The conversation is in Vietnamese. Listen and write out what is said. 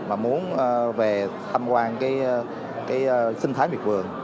mà muốn về tham quan cái sinh thái miệt vườn